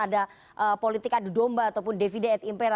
ada politik adu domba ataupun devide et impera